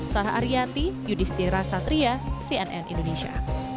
sarah ariyati yudhistira satria cnn indonesia